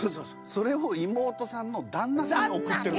それを妹さんの旦那さんに送ってる？